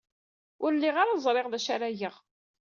Ur lliɣ ara ẓriɣ d acu ara geɣ.